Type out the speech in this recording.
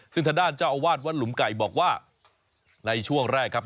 ซึ่งทางด้านเจ้าอาวาสวัดหลุมไก่บอกว่าในช่วงแรกครับ